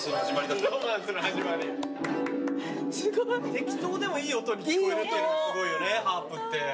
適当でもいい音に聞こえるってのがすごいよねハープって。